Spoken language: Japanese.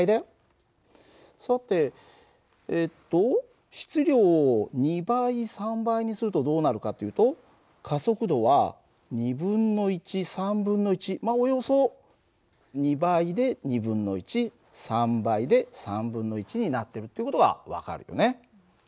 さてえっと質量を２倍３倍にするとどうなるかっていうと加速度は２分の１３分の１およそ２倍で２分の１３倍で３分の１になってるっていう事が分かるよね。